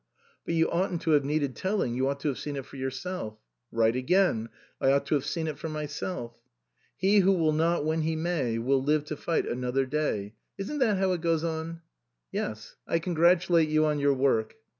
" But you oughtn't to have needed telling, you ought to have seen it for yourself." "Right again. I ought to have seen it for myself." " He who will not when he may, will live to fight another day ; isn't that how it goes on ?"" Yes ; I congratulate you on your work."